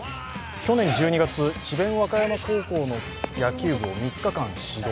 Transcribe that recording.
去年１２月、智弁和歌山高校の野球部を３日間指導。